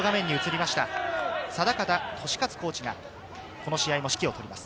定方敏和コーチがこの試合も指揮を執っています。